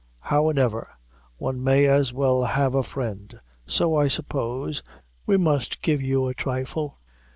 How an ever, one may as well have a friend; so I suppose, we must give you a thrifle."